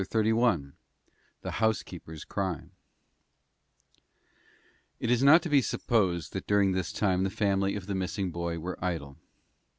CHAPTER XXXI THE HOUSEKEEPER'S CRIME It is not to be supposed that during this time the family of the missing boy were idle.